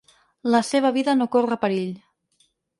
La seva vida no corre perill.